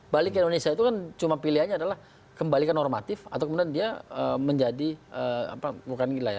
balik ke indonesia itu kan cuma pilihannya adalah kembalikan normatif atau kemudian dia menjadi bukan gila ya